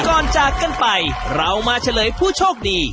จากกันไปเรามาเฉลยผู้โชคดี